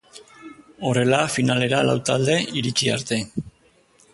Horrela finalera lau talde iritsi arte.